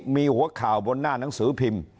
มีหัวข่าวบนหน้าหนังสือพิมพ์